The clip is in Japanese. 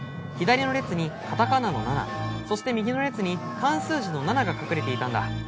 左の列にカタカナのナナそして右の列に漢数字の七が隠れていたんだ。